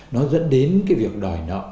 nó dẫn đến cái việc đòi nợ